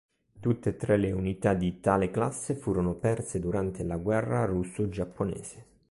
Tutte e tre le unità di tale classe furono perse durante la guerra russo-giapponese.